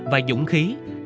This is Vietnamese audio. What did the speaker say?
và dũng khí